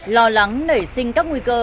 lo lắng nảy sinh các nguy cơ